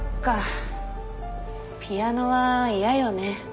ピアノは嫌よね。